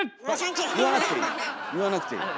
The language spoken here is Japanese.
言わなくていい。